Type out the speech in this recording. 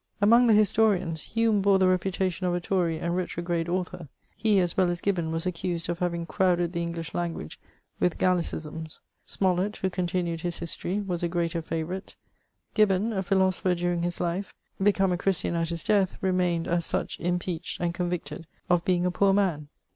Among the historians, CHATEAUBRIAND. 421 Hume bore the repntation af a Tory and retrograde author; he, as well as Gibbon, was accused of having crowded the English language with Gallicisins ; Smollett^ who continued his history, was a greater favourite. Gibbon, a philosopher during his life, become a Christian at his death, remained, as such, impeached and convicted of being a poor man.